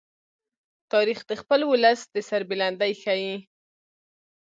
تاریخ د خپل ولس د سربلندۍ ښيي.